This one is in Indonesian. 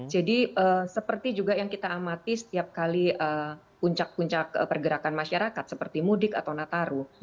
jadi seperti juga yang kita amati setiap kali puncak puncak pergerakan masyarakat seperti mudik atau nataru